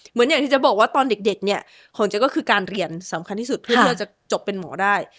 เหมือนอย่างที่จะบอกว่าตอนเด็กเนี่ยของเจ๊ก็คือการเรียนสำคัญที่สุดเพื่อที่จะจบเป็นหมอได้